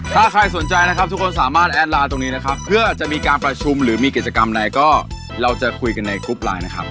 ถ้าใครสนใจนะครับทุกคนสามารถแอดไลน์ตรงนี้นะครับเพื่อจะมีการประชุมหรือมีกิจกรรมไหนก็เราจะคุยกันในกรุ๊ปไลน์นะครับ